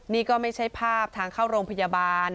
นี่ก็ไม่ใช่ภาพทางเข้าโรงพยาบาล